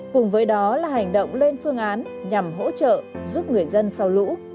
cùng với đó là hành động lên phương án nhằm hỗ trợ giúp người dân sau lũ